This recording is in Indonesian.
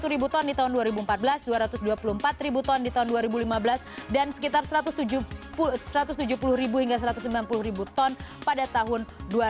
satu ribu ton di tahun dua ribu empat belas dua ratus dua puluh empat ribu ton di tahun dua ribu lima belas dan sekitar satu ratus tujuh puluh hingga satu ratus sembilan puluh ribu ton pada tahun dua ribu lima belas